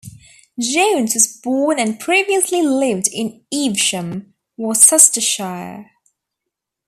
Jones was born and previously lived in Evesham, Worcestershire.